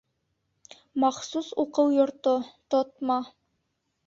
Махсус уҡыу йорто. тотма.